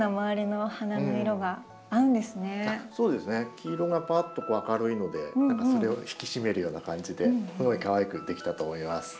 黄色がぱっと明るいので何かそれを引き締めるような感じですごいかわいく出来たと思います。